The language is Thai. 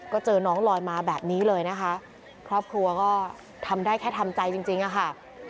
ก็เจอน้องลอยมาแบบนี้เลยนะคะครอบครัวก็ทำได้แค่ทำใจจริงอะค่ะ